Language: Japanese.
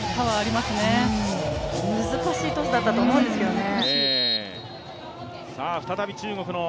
難しいトスだったと思うんですけどね。